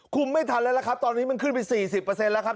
ไม่ทันแล้วล่ะครับตอนนี้มันขึ้นไป๔๐แล้วครับ